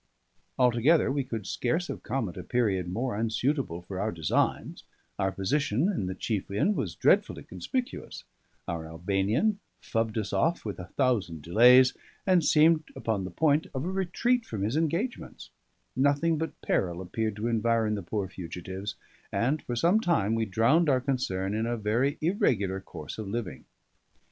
Altogether, we could scarce have come at a period more unsuitable for our designs; our position in the chief inn was dreadfully conspicuous; our Albanian fubbed us off with a thousand delays, and seemed upon the point of a retreat from his engagements; nothing but peril appeared to environ the poor fugitives, and for some time we drowned our concern in a very irregular course of living.